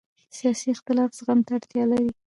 سیاسي اختلاف زغم ته اړتیا لري